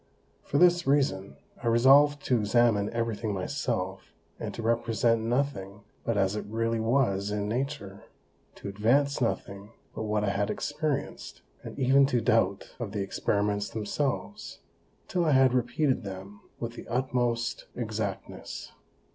For this reason, I resolved to examine every thing myself, and to represent nothing but as it really was in Nature, to advance nothing but what I had experienced, and even to doubt of the Experiments themselves, till I had repeated them with the utmost Exactness.